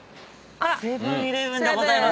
セブン−イレブンでございます。